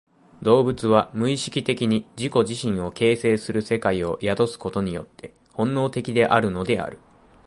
動物は無意識的に自己自身を形成する世界を宿すことによって本能的であるのである。